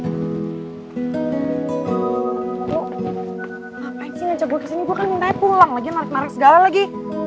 lo ngapain sih ngajak gue kesini gue kan minta pulang lagi narik marik segala lagi